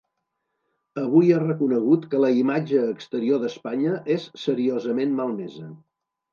Avui ha reconegut que la imatge exterior d’Espanya és ‘seriosament malmesa’.